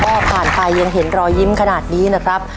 ผ่านไปยังเห็นรอยยิ้มขนาดนี้นะครับ